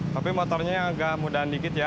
tapi motornya agak mudahan dikit ya